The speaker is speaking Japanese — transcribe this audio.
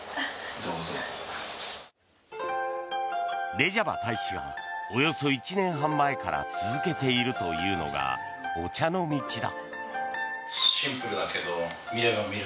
レジャバ大使がおよそ１年半前から続けているというのがお茶の道だ。